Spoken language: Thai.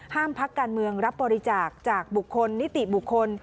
พักการเมืองรับบริจาคจากบุคคลนิติบุคคล